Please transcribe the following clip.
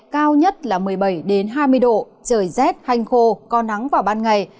cao nhất là một mươi bảy hai mươi độ trời rét hanh khô có nắng vào ban ngày